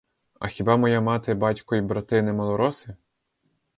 А хіба моя мати, батько й брати не малороси?